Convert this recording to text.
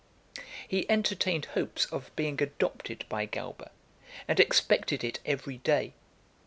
V. He entertained hopes of being adopted by Galba, and expected it every day.